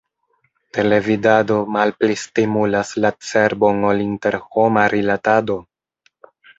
Televidado malpli stimulas la cerbon ol interhoma rilatado!